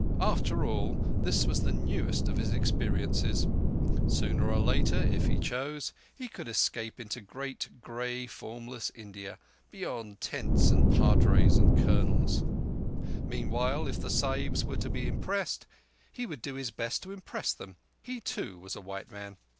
After all, this was the newest of his experiences. Sooner or later, if he chose, he could escape into great, grey, formless India, beyond tents and padres and colonels. Meantime, if the Sahibs were to be impressed, he would do his best to impress them. He too was a white man.